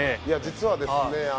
いや実はですね